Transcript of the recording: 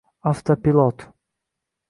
Avtopilot